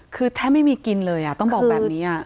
คือแทบไม่มีกินเลยต้องบอกแบบนี้